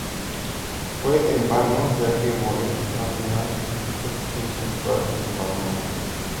Fue en vano, ya que Moret no tenía texto suficiente para conformar un volumen.